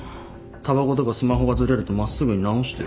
たばことかスマホがずれると真っすぐに直してる。